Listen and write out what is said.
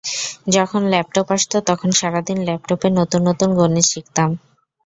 যখন ল্যাপটপ আসত, তখন সারা দিন ল্যাপটপে নতুন নতুন গণিত শিখতাম।